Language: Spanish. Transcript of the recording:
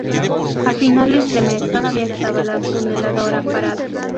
A finales de mes todavía estaba la tuneladora parada.